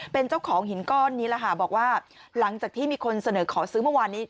เป็นเจ้าของหินก้อนนี้แหละค่ะบอกว่าหลังจากที่มีคนเสนอขอซื้อเมื่อวานนี้